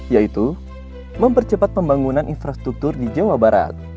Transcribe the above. yaitu mempercepat pembangunan infrastruktur di jawa barat